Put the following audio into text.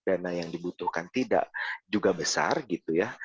dana yang dibutuhkan tidak juga besar gitu ya